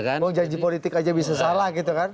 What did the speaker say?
mau janji politik aja bisa salah gitu kan